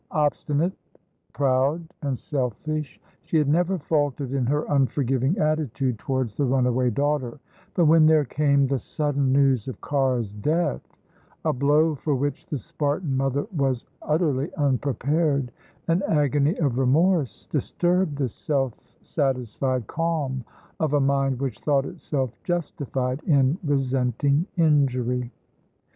Obstinate, proud, and selfish, she had never faltered in her unforgiving attitude towards the runaway daughter; but when there came the sudden news of Cara's death, a blow for which the Spartan mother was utterly unprepared, an agony of remorse disturbed the self satisfied calm of a mind which thought itself justified in resenting injury.